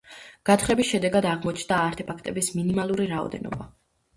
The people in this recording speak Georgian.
გათხრების შედეგად აღმოჩნდა არტეფაქტების მინიმალური რაოდენობა.